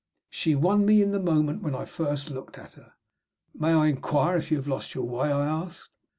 She won me in the moment when I first looked at her. "May I inquire if you have lost your way?" I asked.